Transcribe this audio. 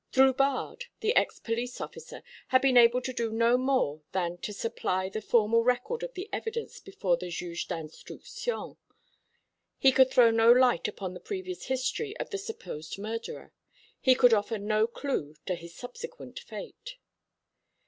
Drubarde, the ex police officer, had been able to do no more than to supply the formal record of the evidence before the Juge d'Instruction. He could throw no light upon the previous history of the supposed murderer: he could offer no clue to his subsequent fate.